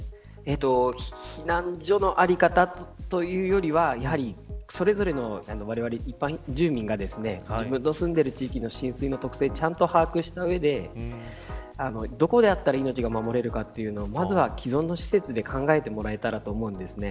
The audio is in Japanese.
避難所の在り方というよりはそれぞれの、われわれ一般住民が自分の住んでいる地域の浸水の特性をちゃんと把握した上でどこであったら命が守れるかというのをまずは既存の施設で考えてもらえたらと思うんですね。